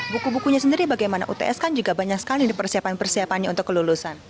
buku bukunya sendiri bagaimana uts kan juga banyak sekali persiapan persiapannya untuk kelulusan